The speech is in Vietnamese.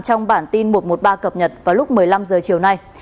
trong bản tin mùa một mươi ba cập nhật vào lúc một mươi năm h chiều nay